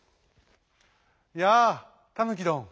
「やあタヌキどん。